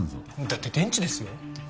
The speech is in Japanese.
だって電池ですよ。